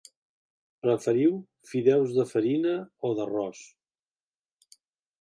Preferiu fideus de farina o d'arròs?